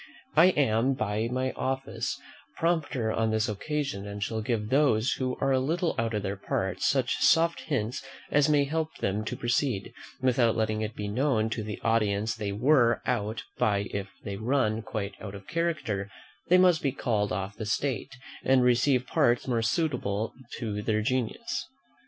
I am, by my office, prompter on this occasion, and shall give those who are a little out in their parts such soft hints as may help them to proceed, without letting it be known to the audience they were out; but if they run quite out of character, they must be called off the stage, and receive parts more suitable to their genius.